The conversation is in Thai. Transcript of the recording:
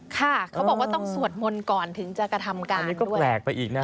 ค่ะเขาบอกว่าต้องสวดมนต์ก่อนถึงจะกระทำการอันนี้ก็แปลกไปอีกนะ